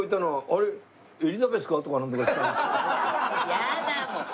やだもう！